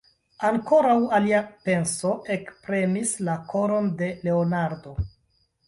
Ankoraŭ alia penso ekpremis la koron de Leonardo.